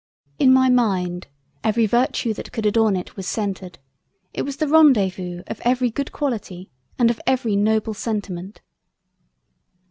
In my Mind, every Virtue that could adorn it was centered; it was the Rendez vous of every good Quality and of every noble sentiment.